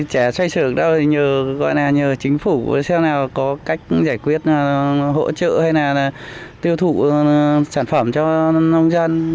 trẻ xoay xược đâu thì nhờ chính phủ xem nào có cách giải quyết hỗ trợ hay nào tiêu thụ sản phẩm cho nông dân